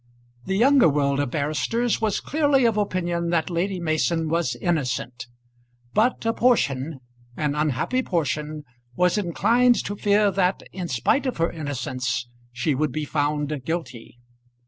The younger world of barristers was clearly of opinion that Lady Mason was innocent; but a portion, an unhappy portion, was inclined to fear, that, in spite of her innocence, she would be found guilty.